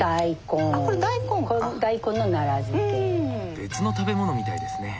別の食べ物みたいですね。